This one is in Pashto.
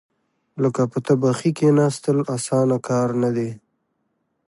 لکه په تبخي کېناستل، اسانه کار نه دی.